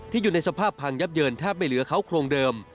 อยู่ในสภาพพังยับเยินแทบไม่เหลือเขาโครงเดิม